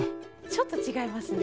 ちょっとちがいますね。